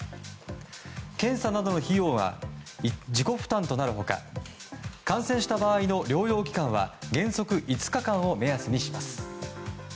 検査などの費用は自己負担となる他感染した場合の療養期間は原則５日間を目安にします。